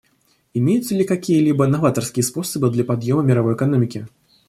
Имеются ли какие-либо новаторские способы для подъема мировой экономики?